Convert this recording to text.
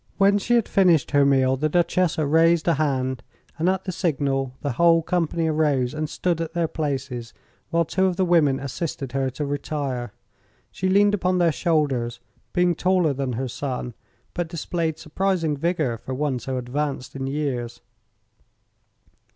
When she had finished her meal the Duchessa raised a hand, and at the signal the whole company arose and stood at their places while two of the women assisted her to retire. She leaned upon their shoulders, being taller than her son, but displayed surprising vigor for one so advanced in years.